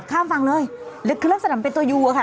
ข้ามฝั่งเลยหรือเครื่องสนามเป็นตัวยูอะค่ะ